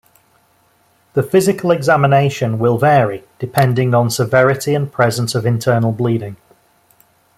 The physical examination will vary depending on severity and presence of internal bleeding.